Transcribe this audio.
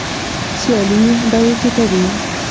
سیالي بیې ټیټوي.